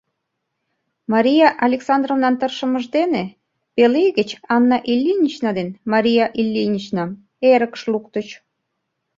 Мария Александровнан тыршымыж дене пел ий гыч Анна Ильинична ден Мария Ильиничнам эрыкыш луктыч.